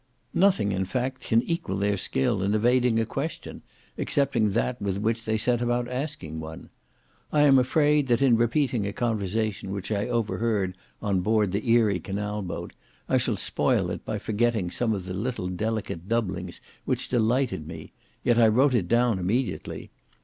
Nothing, in fact, can equal their skill in evading a question, excepting that with which they set about asking one. I am afraid that in repeating a conversation which I overheard on board the Erie canal boat, I shall spoil it, by forgetting some of the little delicate doublings which delighted me—yet I wrote it down immediately.